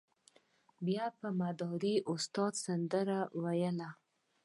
بیا به مداري استاد سندره ویله.